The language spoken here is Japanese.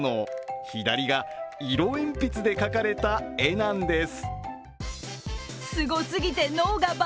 左が色鉛筆で描かれた絵なんです。